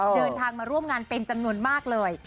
เดินทางมาร่วมงานเป็นจำนวนมากเลย